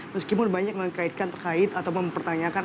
meskipun banyak mengkaitkan terkait atau mempertanyakan